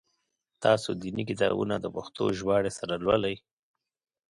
تاسو دیني کتابونه د پښتو ژباړي سره لولی؟